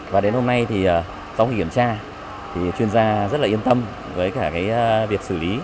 và đến hôm nay sau khi kiểm tra chuyên gia rất yên tâm với việc xử lý